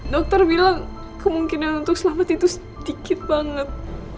dokter bilang kemungkinan untuk selamat itu sedikit banget